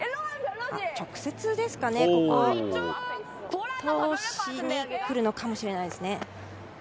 直接ですかね、通しにくるのかもしれないですね。